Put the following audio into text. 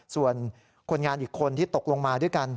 ส่วนคนงานอีกคนที่ตกลงมาด้วยกัน